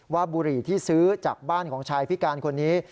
บุหรี่ที่ซื้อจากบ้านของชายพิการคนนี้